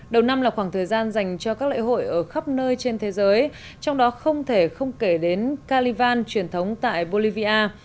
đầu năm là khoảng thời gian dành cho các lễ hội ở khắp nơi trên thế giới trong đó không thể không kể đến calivan truyền thống tại bolivia